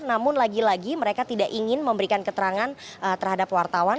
namun lagi lagi mereka tidak ingin memberikan keterangan terhadap wartawan